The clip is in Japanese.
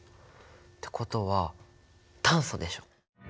ってことは炭素でしょ！